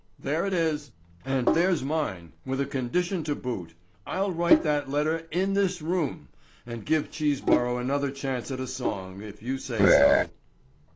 "There it is." "And there's mine, with a condition to boot. I'll write the letter in this room, and give Cheeseborough another chance at a song, if you say so."